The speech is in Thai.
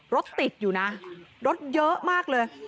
รถติดอยู่นะรถเยอะมากเลย